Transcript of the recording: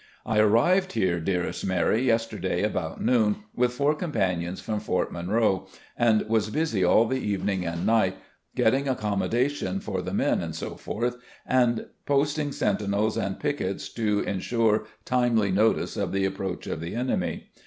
"I arrived here, dearest Mary, yesterday about noon, with four companies from Fort Monroe, and was busy all the evening and night getting accommodation for the men, etc., and posting sentinels and piquets to insure timely notice of the approach of the enemy.